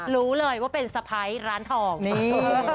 รู้เลยว่าเป็นสะพ้ายร้านทองนี่